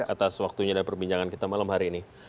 atas waktunya dan perbincangan kita malam hari ini